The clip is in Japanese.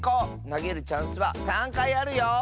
なげるチャンスは３かいあるよ！